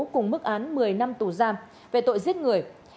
cùng mức án một mươi năm tù giam về tội giết người